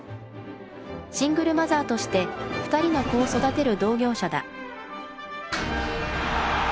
シングルマザーとして２人の子を育てる同業者だ。